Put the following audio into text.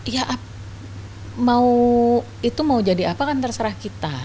ya mau itu mau jadi apa kan terserah kita